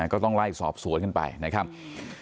ก็ต้องไล่สอบสวนกันไปนะครับ